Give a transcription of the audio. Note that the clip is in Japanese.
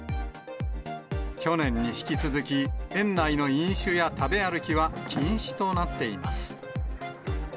去年に引き続き、園内の飲酒や食べ歩きは禁止となっています。